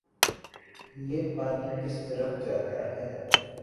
یہ پانی کس طرف جاتا ہے